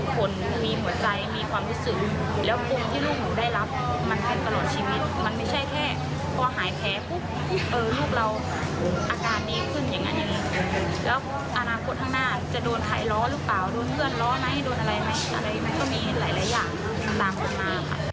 ก็มีหลายอย่างสำหรับคนหน้าค่ะ